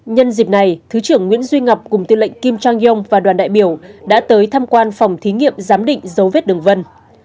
nhân dịp này thứ trưởng nguyễn duy ngọc cùng tiên lệnh kim trang yong và đoàn đại biểu đã tới tham quan phòng thí nghiệm giám định dấu vết đường vân